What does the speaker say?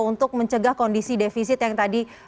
untuk mencegah kondisi defisit yang tadi